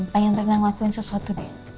pengen rena ngelakuin sesuatu deh